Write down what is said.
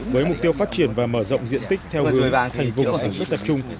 với mục tiêu phát triển và mở rộng diện tích theo hướng thành vùng sản xuất tập trung